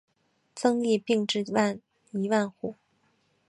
增邑并前至一万户。